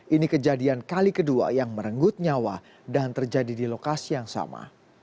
ini kejadian kali kedua yang merenggut nyawa dan terjadi di lokasi yang sama